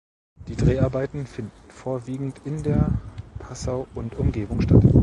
Die Dreharbeiten finden vorwiegend in der Passau und Umgebung statt.